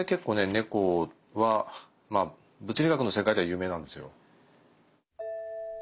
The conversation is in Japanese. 猫は物理学の世界では有名なんですよ。